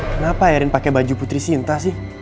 kenapa erin pakai baju putri sinta sih